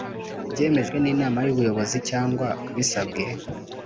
byemejwe n Inama y ubuyobozi cyangwa bisabwe